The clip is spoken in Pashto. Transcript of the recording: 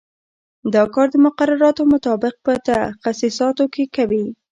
دا کار د مقرراتو مطابق په تخصیصاتو کې کوي.